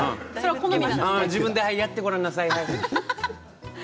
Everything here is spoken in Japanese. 自分でやってみなさい。